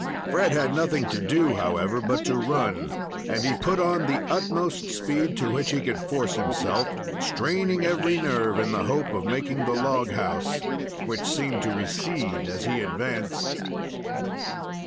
Fred had nothing to do, however, but to run, and he put on the utmost speed to which he could force himself, straining every nerve in the hope of making the log house, which seemed to recede as he advanced.